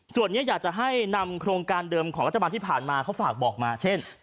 ส่วนนี้อยากจะให้นำโครงการเดิมของรัฐบาลที่ผ่านมาเขาฝากบอกมาเช่น